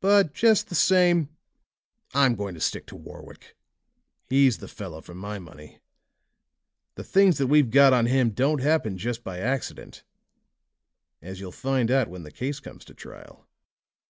But, just the same, I'm going to stick to Warwick. He's the fellow for my money; the things that we've got on him don't happen just by accident, as you'll find out when the case comes to trial."